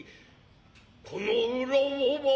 この浦をば